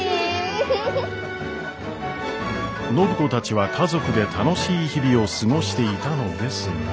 暢子たちは家族で楽しい日々を過ごしていたのですが。